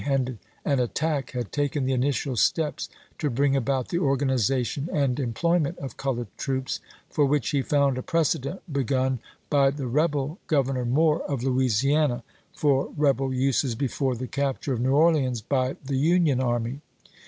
heuded an attack, had taken the initial steps to bring about the organization and employment of colored troops, for which he found a precedent begun by the rebel Governor Moore, of Louisiana, for rebel uses before the capture of New Orleans Vol. VI.— 29 450 ABRAHAM LINCOLN Chap. XX. bj the Union army.